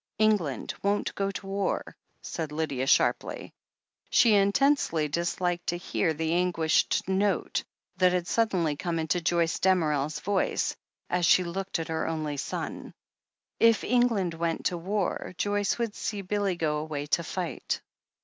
"England won't go to war," said Lydia sharply. She intensely disliked to hear the anguished note that had suddenly come into Joyce Damerel's voice, as she looked at her only son. If England went to war, Joyce would see Billy go away to fight.